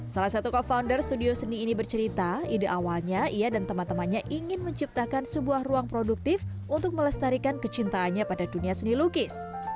salah satu co founder studio seni ini bercerita ide awalnya ia dan teman temannya ingin menciptakan sebuah ruang produktif untuk melestarikan kecintaannya pada dunia seni lukis